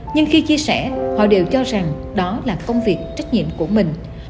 nhưng khi chia sẻ họ đều cho rằng đó là công việc trách nhiệm của mình